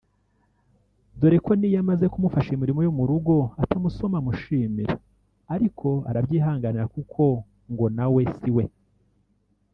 dore ko n’iyo amaze kumufasha imirimo yo mu rugo atamusoma amushimira ariko arabyihanganira kuko ngo nawe siwe